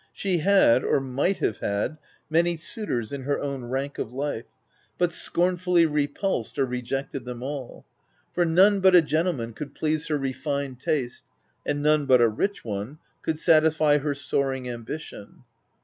She had, or might have had many suitors in her own rank of life, but scornfully repulsed or rejected them all ; for none but a gentleman could please h^r refined taste, and none but a rich one could c 2 28 THE TENANT satisfy her soaring ambition.